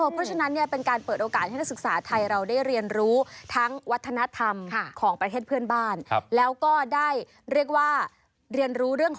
เพราะฉะนั้นเป็นการเปิดโอกาสให้นักศึกษาไทยเราได้เรียนรู้